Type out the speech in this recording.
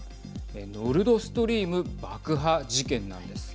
ノルドストリーム爆破事件なんです。